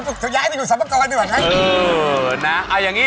ภาษี๙๗๐๐๐๐